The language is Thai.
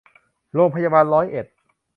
โรงพยาบาลร้อยเอ็ด